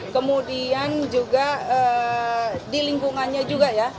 kemudian juga di lingkungannya juga ya